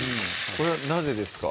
これはなぜですか？